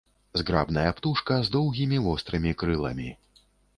Зграбная птушка з доўгімі, вострымі крыламі.